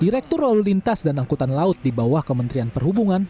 direktur rolintas dan angkutan laut di bawah kementerian perhubungan